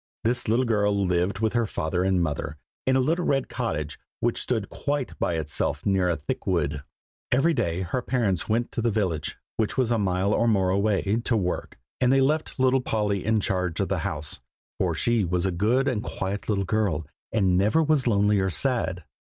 This little girl lived with her father and mother, in a little red cottage which stood quite by itself near a thick wood. Every day her parents went to the village, which was a mile or more away, to work, and they left little Polly in charge of the house, for she was a good and quiet little girl, and never was lonely or sad.